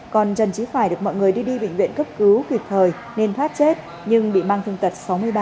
còn trần trí khải được mọi người đi đi bệnh viện cấp cứu kịp thời nên thoát chết nhưng bị mang thương tật sáu mươi ba